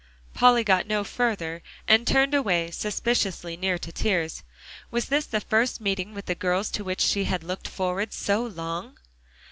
Polly got no further, and turned away, suspiciously near to tears. Was this the first meeting with the girls to which she had looked forward so long?